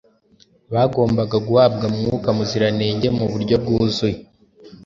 Bagombaga guhabwa Mwuka Muziranenge mu buryo bwuzuye,